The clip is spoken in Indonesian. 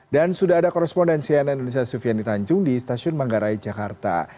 dan sudah ada korespondensi yang indonesia sufian ditancung di stasiun manggarai jakarta